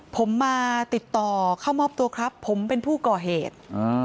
ผมมาติดต่อเข้ามอบตัวครับผมเป็นผู้ก่อเหตุ